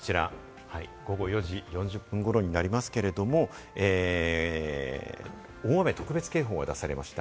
その１時間後にですね、こちら、午後４時４０分ごろになりますけれども、大雨特別警報が出されました。